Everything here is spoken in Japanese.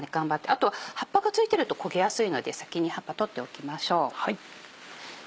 あとは葉っぱが付いてると焦げやすいので先に葉っぱ取っておきましょう。